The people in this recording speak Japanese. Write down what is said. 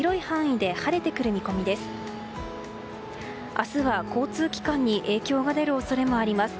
明日は交通機関に影響が出る恐れがあります。